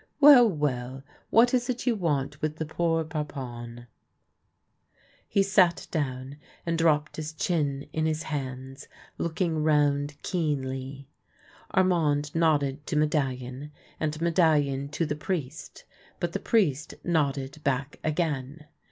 " Well, well, what is it you want with the poor Parpon ?" He sat down and dropped his chin in his hands, looking round keenly. Armand nodded to Medallion, and Medallion to the priest, but the priest nodded back again.